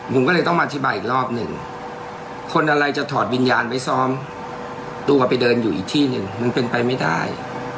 ผมก็เลยต้องอธิบายอีกรอบหนึ่งคนอะไรจะถอดวิญญาณไว้ซ้อมตัวไปเดินอยู่อีกที่หนึ่งมันเป็นไปไม่ได้